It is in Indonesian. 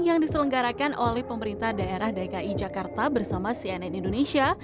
yang diselenggarakan oleh pemerintah daerah dki jakarta bersama cnn indonesia